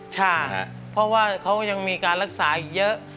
ใช่ครับเพราะว่าเขายังมีการรักษาอีกเยอะ